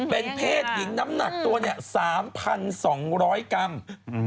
เป็นเพศหญิงน้ำหนักตัวเนี่ย๓๒๐๐กรัม